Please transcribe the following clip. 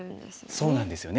そうなんですよね。